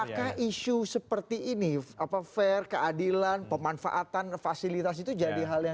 apakah isu seperti ini fair keadilan pemanfaatan fasilitas jadinya